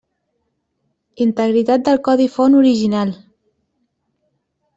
Integritat del codi font original.